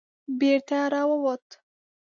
بېرته را ووت.